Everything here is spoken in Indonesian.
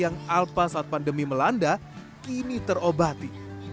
yang alpa saat pandemi melanda kini terobati